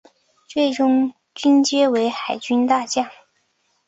最终军阶为海军大将。